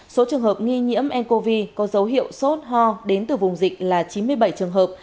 số trường hợp nghi nhiễm ncov có dấu hiệu sốt ho đến từ vùng dịch là chín mươi bảy trường hợp